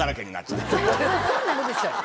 そりゃなるでしょ